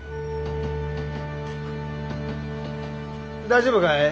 大丈夫かい？